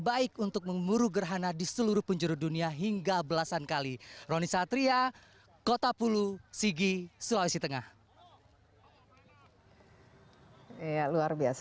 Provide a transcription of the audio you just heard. anda juga bisa mengalami pengalaman ini di waktu eklipsi total